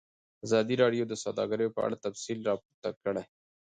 ازادي راډیو د سوداګري په اړه تفصیلي راپور چمتو کړی.